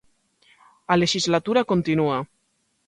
A lexislatura continúa.